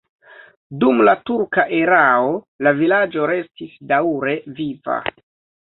Dum la turka erao la vilaĝo restis daŭre viva.